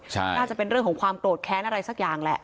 น่าจะเป็นเรื่องของความโกรธแค้นอะไรสักอย่างแหละ